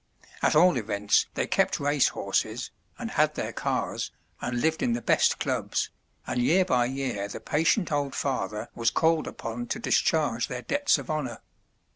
At all events they kept race horses, and had their cars, and lived in the best clubs, and year by year the patient old father was called upon to discharge their debts of honour.